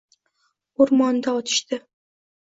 O’rmonda otishdi